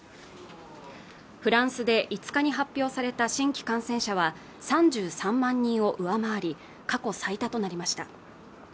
フランスで５日に発表された新規感染者は３３万人を上回り過去最多となりました